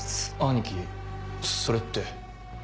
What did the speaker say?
兄貴それって。